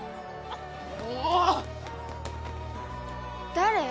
誰？